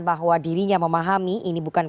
bahwa dirinya memahami ini bukan